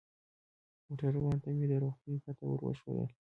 موټروان ته مې د روغتون پته ور وښودل.